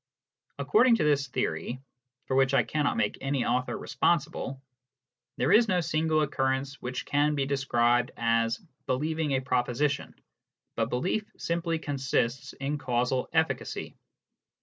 According to this theory for which I cannot make any author responsible there is no single occurrence which can be described as " believing a proposition," but belief simply consists in causal efficacy.